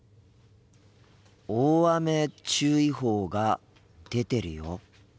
大雨注意報が出てるよ。